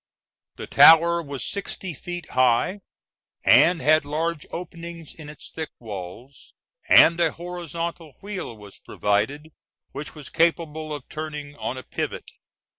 The tower was sixty feet high, and had large openings in its thick walls, and a horizontal wheel was provided, which was capable of turning on a pivot.